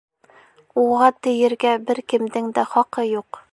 Уға тейергә бер кемдең хаҡы юҡ.